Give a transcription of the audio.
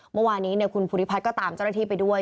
เมื่อวานนี้คุณภูริพัฒน์ก็ตามเจ้าหน้าที่ไปด้วย